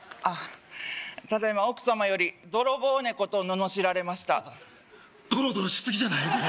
あっただいま奥様より泥棒ネコとののしられましたドロドロしすぎじゃない？